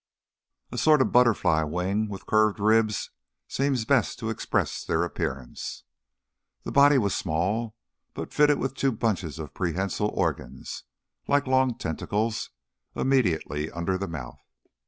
(A sort of butterfly wing with curved ribs seems best to express their appearance.) The body was small, but fitted with two bunches of prehensile organs, like long tentacles, immediately under the mouth.